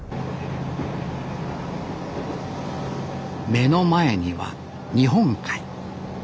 目の前には日本海。